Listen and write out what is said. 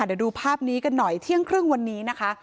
เดี๋ยวดูภาพนี้กันหน่อยเที่ยงครึ่งวันนี้นะคะ